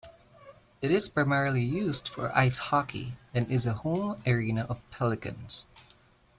It is primarily used for ice hockey, and is the home arena of Pelicans.